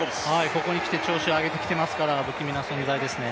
ここにきて調子上げてきていますから不気味な存在ですね。